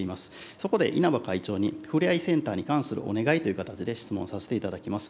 そこで稲葉会長に、ふれあいセンターに関するお願いという形で質問させていただきます。